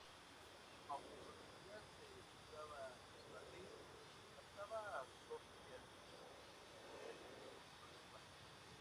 Aunque su actividad se centraba en Madrid, captaba socias de cualquier punto de España.